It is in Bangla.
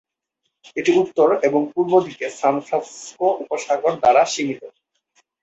এটি উত্তর এবং পূর্ব দিকে সান ফ্রান্সিসকো উপসাগর দ্বারা সীমিত।